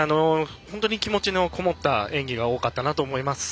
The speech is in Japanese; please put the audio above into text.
本当に気持ちのこもった演技が多かったなと思います。